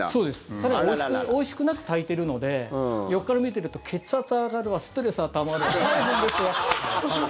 それはおいしくなく炊いているので横から見てると血圧上がるわストレスはたまるわ大変ですよ。